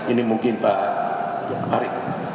ini mungkin pak arik